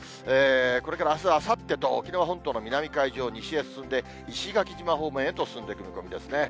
これからあす、あさってと、沖縄本島の南海上を西へ進んで、石垣島方面へと進んでいく見込みですね。